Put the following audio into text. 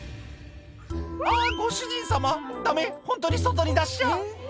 「あぁご主人さまダメホントに外に出しちゃ」